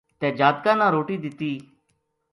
تے جاتکاں نا روٹی دتی